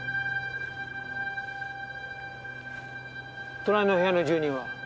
隣の部屋の住人は？